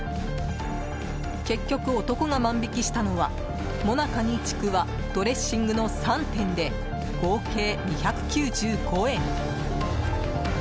結局、男が万引きしたのはもなかにちくわ、ドレッシングの３点で合計２９５円。